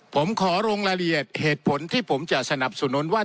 ผมขอลงรายละเอียดเหตุผลที่ผมจะสนับสนุนว่า